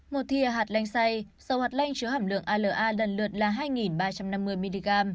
một thịa hạt lanh xay dầu hạt lanh chứa hàm lượng ala lần lượt là hai nghìn ba trăm năm mươi mg và bảy nghìn hai trăm bốn mươi chín mg